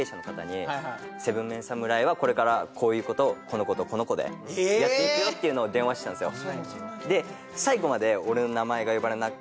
７ＭＥＮ侍はこれからこういう子とこの子とこの子でやっていくよっていうのを電話してたんですよ